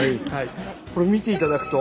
これ見て頂くと。